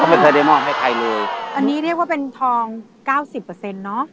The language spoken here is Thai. ไม่เคยได้มอบให้ใครเลยอันนี้เรียกว่าเป็นทองเก้าสิบเปอร์เซ็นต์เนอะ